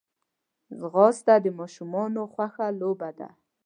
ځغاسته د ماشومانو خوښه لوبه ده